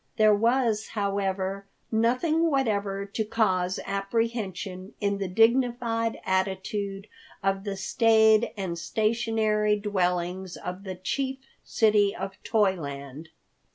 There was, however, nothing whatever to cause apprehension in the dignified attitude of the staid and stationary dwellings of the chief city of Toyland.